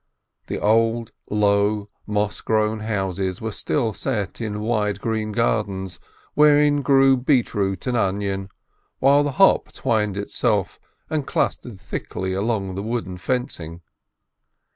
The old, low, moss grown houses were still set in wide, green gardens, wherein grew beet root and onions, while the hop twined itself and clustered thickly along the wooden fencing.